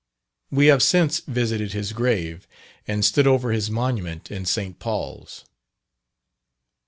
We have since visited his grave, and stood over his monument in St. Paul's.